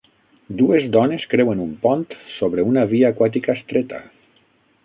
Dues dones creuen un pont sobre una via aquàtica estreta.